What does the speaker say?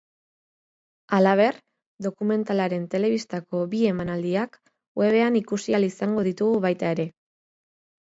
Halaber, dokumentalaren telebistako bi emanaldiak webean ikusi ahal izango ditugu baita ere.